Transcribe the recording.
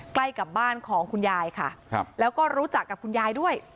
ใกล้กับบ้านของคุณยายค่ะครับแล้วก็รู้จักกับคุณยายด้วย